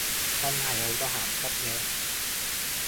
真係好多鹹濕嘢